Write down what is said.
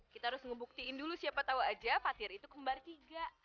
kita harus ngebuktiin dulu siapa tahu aja patiar itu kembar tiga